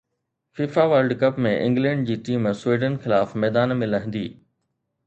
FIFA World Cup ۾ England جي team Sweden خلاف ميدان ۾ لهندي